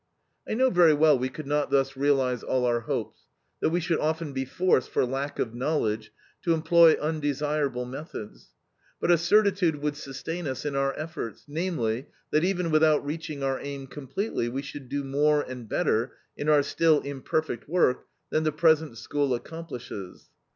"I know very well we could not thus realize all our hopes, that we should often be forced, for lack of knowledge, to employ undesirable methods; but a certitude would sustain us in our efforts namely, that even without reaching our aim completely we should do more and better in our still imperfect work than the present school accomplishes.